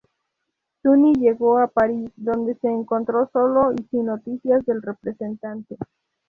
Sunny llegó a París, donde se encontró solo y sin noticias del representante.